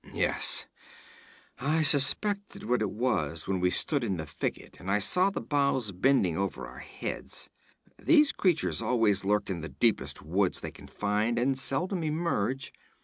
'Yes; I suspected what it was when we stood in the thicket and I saw the boughs bending over our heads. These creatures always lurk in the deepest woods they can find, and seldom emerge.